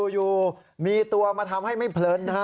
อยู่มีตัวมาทำให้ไม่เพลินนะฮะ